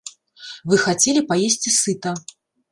Вы хацелі паесці сыта.